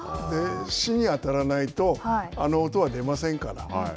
芯に当たらないと、あの音は出ませんから。